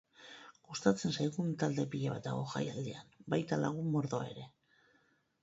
Gustatzen zaigun talde pila bat dago jaialdian, baita lagun mordoa ere!